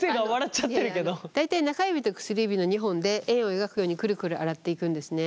大体中指と薬指の２本で円を描くようにくるくる洗っていくんですね。